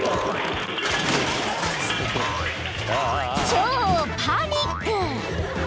［超パニック！］